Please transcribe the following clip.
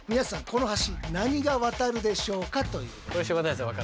この橋何が渡るでしょうかという。